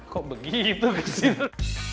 kok begitu ke situ